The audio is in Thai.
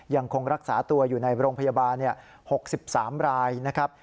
ยังคงรักษาตัวอยู่ในโรงพยาบาล๖๓รายนะครับ